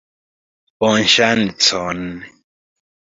Bonŝancon!